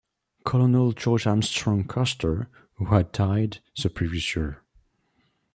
Colonel George Armstrong Custer, who had died the previous year.